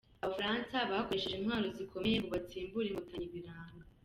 Abafaransa bakoresheje intwaro zikomeye ngo batsimbure Inkotanyi biranga.